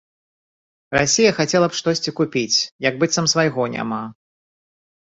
Расія хацела б штосьці купіць, як быццам свайго няма.